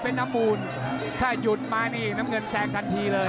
เป็นน้ำมูลถ้าหยุดมานี่น้ำเงินแซงทันทีเลย